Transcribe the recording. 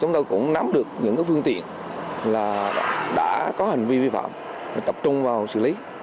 chúng tôi cũng nắm được những phương tiện là đã có hành vi vi phạm tập trung vào xử lý